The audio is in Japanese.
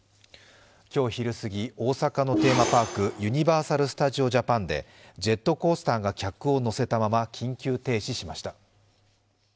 今日昼すぎ、大阪のテーマパーク、ユニバーサル・スタジオ・ジャパンでジェットコースターが客を乗せたまま、緊急停止しました。